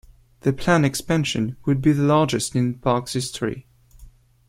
The planned expansion would be the largest in the park's history.